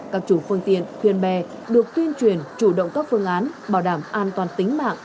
các chủ phương tiện thuyền bè được tuyên truyền chủ động các phương án bảo đảm an toàn tính mạng